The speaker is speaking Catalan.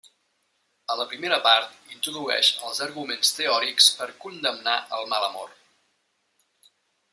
A la primera part introdueix els arguments teòrics per condemnar el mal amor.